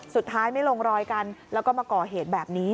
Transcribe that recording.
สุดท้ายไม่ลงรอยกันแล้วก็มาก่อเหตุแบบนี้